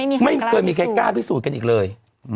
หายังไงที่หนูไม่เคยกล้าพิสูจน์กันอีกเลย